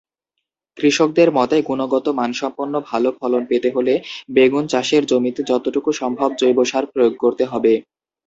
কৃষকদের মতে গুণগত মানসম্পন্ন ভালো ফলন পেতে হলে বেগুন চাষের জমিতে যতটুকু সম্ভব জৈব সার প্রয়োগ করতে হবে।